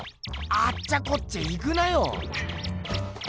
あっちゃこっちゃ行くなよ。